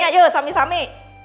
ya yuk sami sami